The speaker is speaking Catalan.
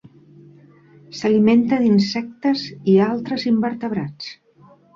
S'alimenta d'insectes i altres invertebrats.